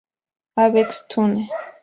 Avex tune